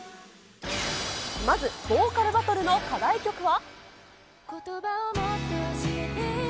まずボーカルバトルの課題曲は？